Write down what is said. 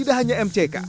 tidak hanya mck